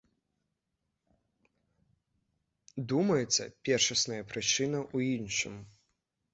Думаецца, першасная прычына ў іншым.